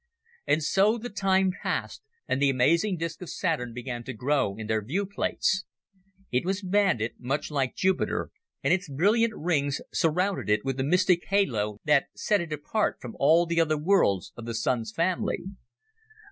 And so the time passed, and the amazing disc of Saturn began to grow in their viewplates. It was banded, much like Jupiter, and its brilliant rings surrounded it with a mystic halo that set it apart from all the other worlds of the Sun's family.